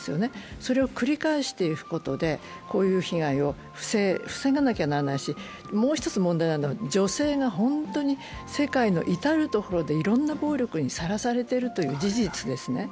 それを繰り返していくことでこういう被害を防がなきゃならないし、もう１つ問題なのは、女性が本当に世界の至る所でいろいろな暴力にさらされているという事実ですね。